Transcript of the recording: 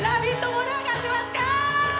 盛り上がってますか！